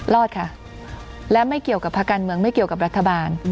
รอดค่ะและไม่เกี่ยวกับภาคการเมืองไม่เกี่ยวกับรัฐบาล